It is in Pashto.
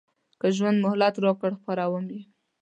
که ژوند مهلت راکړ خپروم یې.